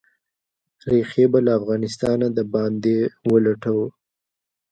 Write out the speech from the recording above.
ریښې به «له افغانستانه د باندې ولټوو».